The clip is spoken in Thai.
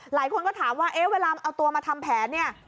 หลายคนก็ถามว่าเอ๊ะเวลาเอาตัวมาทำแผนเนี่ย